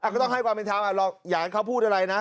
ก็ต้องให้ความเป็นธรรมอยากให้เขาพูดอะไรนะ